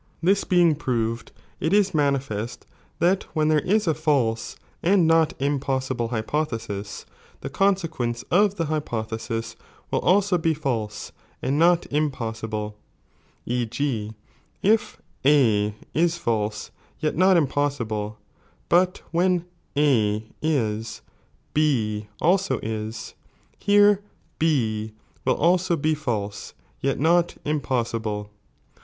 This being proved, it is manifest that when 3, FromBfiiK there is a false and not impossible hypothesis, the ^"'""''jf'' ""* ctrasequence of the hypothesis will also be false timiini coiiciu and not impossible^ e. g, if A is false yet not im ''""'""'""■ pocsible, but when A is, B also is, — here B will also he false yet not impossible.